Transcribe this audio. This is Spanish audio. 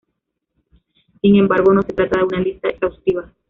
Sin embargo, no se trata de una lista exhaustiva.